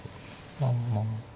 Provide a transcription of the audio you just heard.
まあまあ。